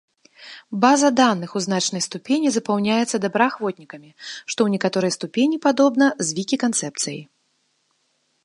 База даных у значнай ступені запаўняецца добраахвотнікамі, што ў некаторай ступені падобна з вікі-канцэпцыяй.